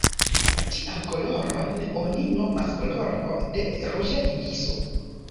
Tian koloron oni nomas koloro de ruĝa ibiso.